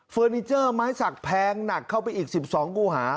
นิเจอร์ไม้สักแพงหนักเข้าไปอีก๑๒กูหา